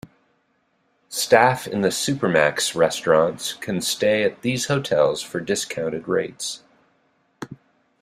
Staff in the Supermacs restaurants can stay at these hotels for discounted rates.